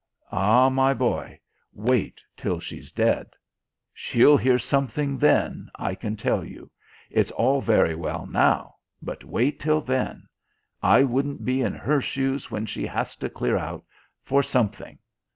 Ah, my boy, wait till she's dead! She'll hear something then, I can tell you. It's all very well now, but wait till then! I wouldn't be in her shoes when she has to clear out for something.